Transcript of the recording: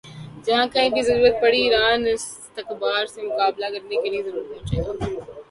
جہاں کہیں بھی ضرورت پڑی ایران استکبار سے مقابلہ کرنے کے لئے ضرور پہنچے گا